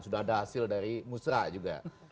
sudah ada hasil dari musra juga